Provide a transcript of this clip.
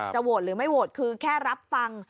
โหวตหรือไม่โหวตคือแค่รับฟัง